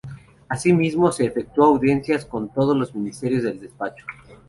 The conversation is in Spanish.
Así mismo, se efectuó audiencias con todos los ministros del despacho.